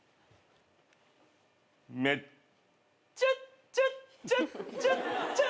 めっちゃっちゃっちゃっちゃっちゃっ。